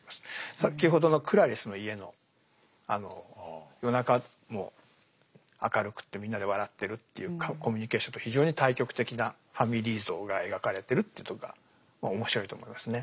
先ほどのクラリスの家のあの夜中も明るくってみんなで笑ってるっていうコミュニケーションと非常に対極的なファミリー像が描かれてるっていうとこがまあ面白いと思いますね。